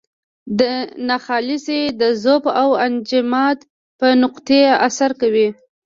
ناخالصې د ذوب او انجماد په نقطې اثر کوي.